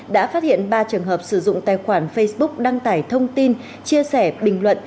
đã phát hiện ba trường hợp sử dụng tài khoản facebook đăng tải thông tin chia sẻ bình luận